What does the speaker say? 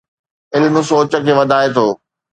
علم سوچ کي وڌائي ٿو